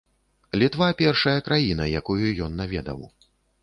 Літва першая краіна, якую ён наведаў.